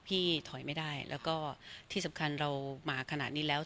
พี่ถอยไม่ได้แล้วก็ที่สำคัญเรามาขนาดนี้แล้ว